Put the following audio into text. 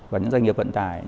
và những doanh nghiệp vận tải